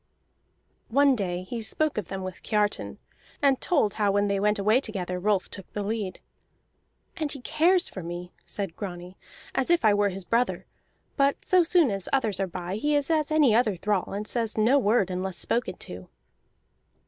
One day he spoke of them with Kiartan, and told how when they went away together Rolf took the lead. "And he cares for me," said Grani, "as if I were his brother; but so soon as others are by he is as any other thrall, and says no word unless spoken to."